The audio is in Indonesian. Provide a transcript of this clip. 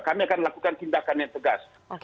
kami akan melakukan tindakan yang tegas